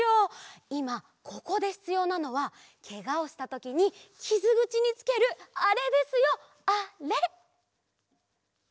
いまここでひつようなのはけがをしたときにきずぐちにつけるあれですよあれ！